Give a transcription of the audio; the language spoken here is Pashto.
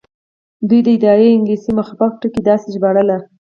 دوی د دې ادارې انګلیسي مخفف ټکي داسې ژباړل.